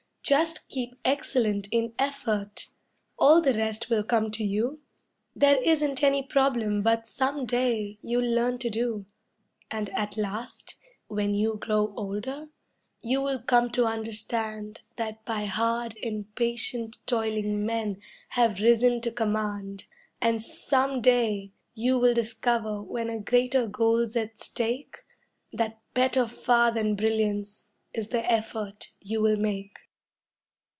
"Just keep excellent in effort all the rest will come to you. There isn't any problem but some day you'll learn to do, And at last, when you grow older, you will come to understand That by hard and patient toiling men have risen to command And some day you will discover when a greater goal's at stake That better far than brilliance is the effort you will make."